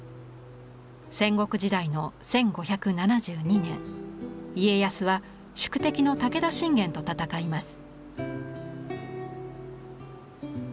戦国時代の１５７２年家康は宿敵の武田信玄と戦います。